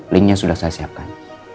linknya sudah saya siapkan